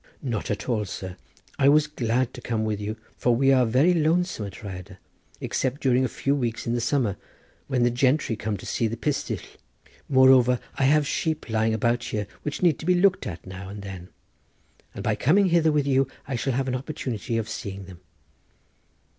"Not at all, sir; I was glad to come with you, for we are very lonesome at Rhyadr, except during a few weeks in the summer, when the gentry come to see the Pistyll. Moreover, I have sheep lying about here which need to be looked at now and then, and by coming hither with you I shall have an opportunity of seeing them."